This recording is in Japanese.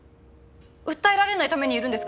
訴えられないためにいるんですか？